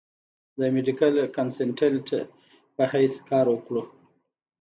د ميډيکل کنسلټنټ پۀ حېث کار اوکړو ۔